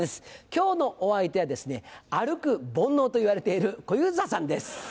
今日のお相手は「歩く煩悩」といわれている小遊三さんです。